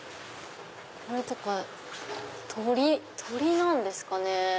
これとか鳥なんですかね。